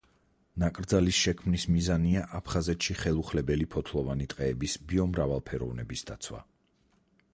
ნაკრძალის შექმნის მიზანია აფხაზეთში ხელუხლებელი ფოთლოვანი ტყეების ბიომრავალფეროვნების დაცვა.